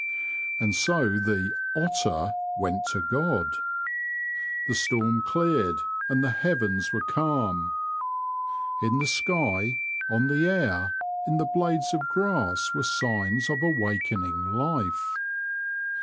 And so the ''Otter" went to God ,... T^^ storm cleared, and the heavens were calm. In the sky, on the air, in the blades of grass were signs of awakening life.